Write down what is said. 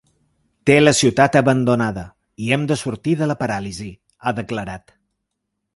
Té la ciutat abandonada i hem de sortir de la paràlisi, ha declarat.